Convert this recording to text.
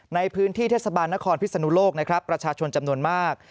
ในพื้นที่เทศบาลนครพิศนุโลกนะครับประชาชนจำนวนมาก